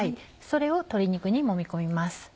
それを鶏肉にもみ込みます。